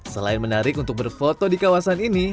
selain menarik untuk berfoto di kawasan ini